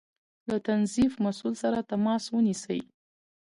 له تنظيف مسؤل سره تماس ونيسئ